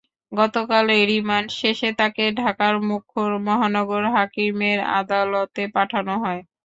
গতকাল রিমান্ড শেষে তাকে ঢাকার মুখ্য মহানগর হাকিমের আদালতে পাঠানো হয়।